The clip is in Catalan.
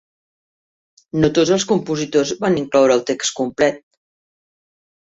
No tots els compositors van incloure el text complet.